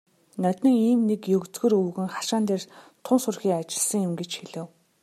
"Ноднин ийм нэг егзөр өвгөн хашаан дээр тун сүрхий ажилласан юм" гэж хэлэв.